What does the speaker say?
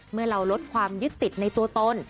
เมื่อเราลดความยึดติดในตัวตน